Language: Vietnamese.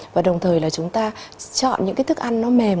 và đồng thời là chúng ta chọn những cái thức ăn nó mềm